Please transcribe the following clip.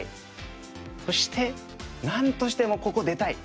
そしてなんとしてもここ出たい。